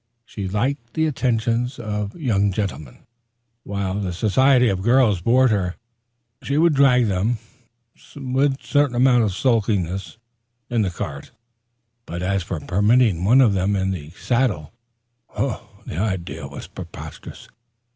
She liked the attentions of young gentlemen, while the society of girls bored her. She would drag them, sulkily, in the cart; but as for permitting one of them in the saddle, the idea was preposterous.